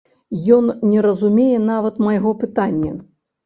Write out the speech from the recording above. Ён не разумее нават майго пытання!